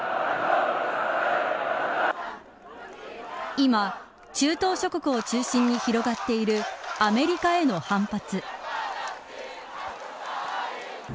今、中東諸国を中心に広がっているアメリカへの反発。